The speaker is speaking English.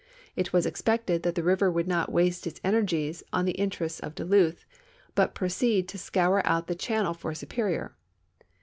It was expected that the river would not waste its energies on the interests of Duluth, but |)roceed to scour out the channel for Superior.